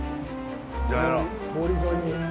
じゃあ、入ろう。